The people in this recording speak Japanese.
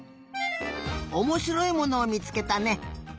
おもしろいものをみつけたね。